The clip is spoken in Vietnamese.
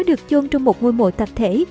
được chôn trong một ngôi mộ tập thể